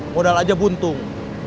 modal aja buntung